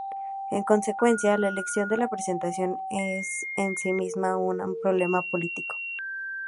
En consecuencia, la elección de la presentación es en sí misma un problema político.